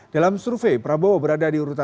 dalam survei prabowo berada di urutan